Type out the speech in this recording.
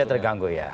tidak terganggu ya